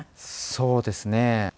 そうですね。